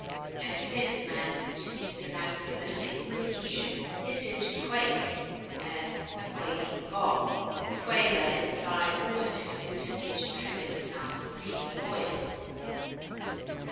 An extended mass which seems to lack solidity or cohesion is said to quake; as, a quaking bog. Quaver is applied almost exclusively to tremulous sounds of the human voice.